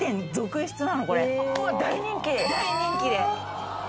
大人気？